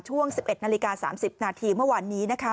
ช่วง๑๑นาฬิกา๓๐นาทีเมื่อวานนี้นะคะ